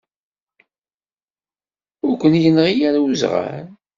Ur ken-yenɣi ara uẓɣal?